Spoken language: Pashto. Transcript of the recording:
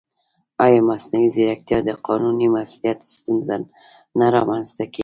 ایا مصنوعي ځیرکتیا د قانوني مسؤلیت ستونزه نه رامنځته کوي؟